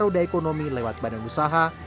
roda ekonomi lewat badan usaha